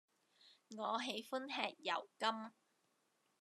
我喜歡吃油柑